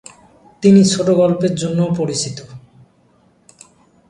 তিনি ছোট গল্পের জন্যও পরিচিত।